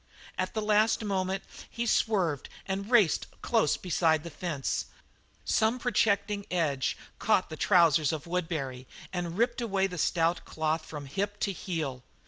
At the last moment he swerved and raced close beside the fence; some projecting edge caught the trousers of Woodbury and ripped away the stout cloth from hip to heel.